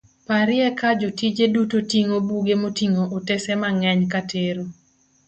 parye ka jotije duto ting'o buge moting'o otase mang'eny katero